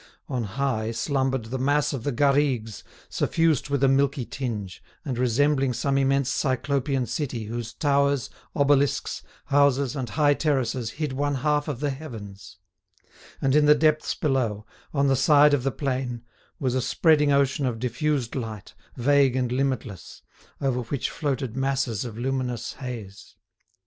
On high slumbered the mass of the Garrigues, suffused with a milky tinge, and resembling some immense Cyclopean city whose towers, obelisks, houses and high terraces hid one half of the heavens; and in the depths below, on the side of the plain, was a spreading ocean of diffused light, vague and limitless, over which floated masses of luminous haze.